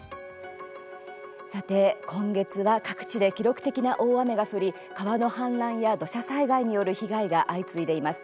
さて、今月は各地で記録的な大雨が降り川の氾濫や土砂災害による被害が相次いでいます。